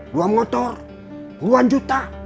dua motor puluhan juta